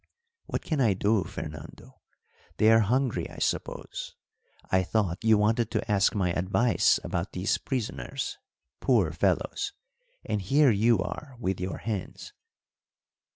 "What can I do, Fernando? they are hungry, I suppose. I thought you wanted to ask my advice about these prisoners poor fellows! and here you are with your hens."